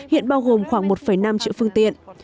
hiện bao gồm khoảng một năm triệu phương tiện